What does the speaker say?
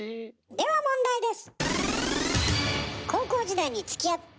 では問題です！